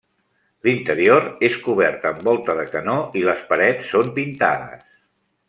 L'interior és cobert amb volta de canó i les parets són pintades.